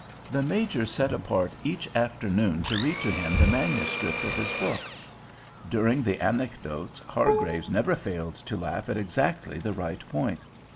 The Major set apart each afternoon to read to him the manuscript of his book. During the anecdotes Hargraves never failed to laugh at exactly the right point.